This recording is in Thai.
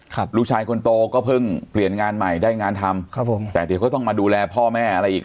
ครับลูกชายคนโตก็เพิ่งเปลี่ยนงานใหม่ได้งานทำครับผมแต่เดี๋ยวก็ต้องมาดูแลพ่อแม่อะไรอีก